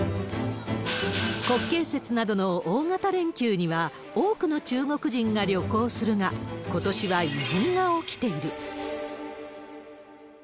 国慶節などの大型連休には、多くの中国人が旅行するが、ことしは異変が起きている。